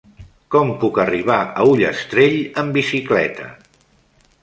Com puc arribar a Ullastrell amb bicicleta?